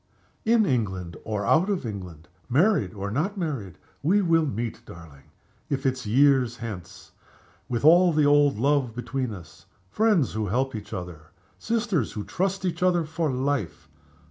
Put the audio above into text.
"In England or out of England, married or not married, we will meet, darling if it's years hence with all the old love between us; friends who help each other, sisters who trust each other, for life!